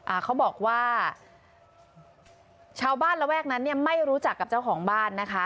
อ่าเขาบอกว่าชาวบ้านระแวกนั้นเนี่ยไม่รู้จักกับเจ้าของบ้านนะคะ